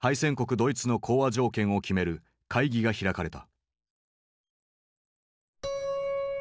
ドイツの講和条件を決める会議が開かれた。